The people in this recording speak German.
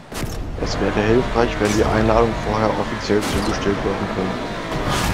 Es wäre hilfreich, wenn die Einladungen vorher offiziell zugestellt werden könnten.